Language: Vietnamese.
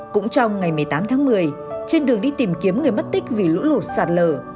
cũng trong ngày một mươi tám tháng một mươi trên đường đi tìm kiếm người mất tích vì lũ lụt sạt lở